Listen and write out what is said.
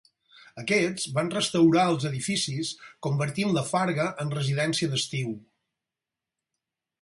Aquests van restaurar els edificis convertint la farga en residència d'estiu.